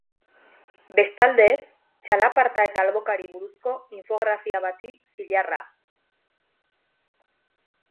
Bestalde, txalaparta eta albokari buruzko infografia bati zilarra.